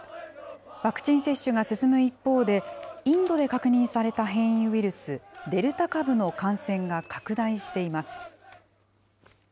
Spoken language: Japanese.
ワクチン接種が進む一方で、インドで確認された変異ウイルス、デルタ株の感染が拡大しています。